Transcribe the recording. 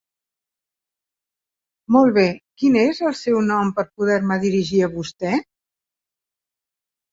Molt bé, quin és el seu nom per poder-me dirigir a vostè?